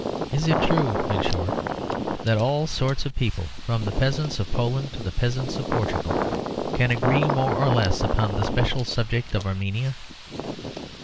Is it true, in short, that all sorts of people, from the peasants of Poland to the peasants of Portugal, can agree more or less upon the special subject of Armenia?